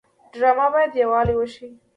ډرامه باید یووالی وښيي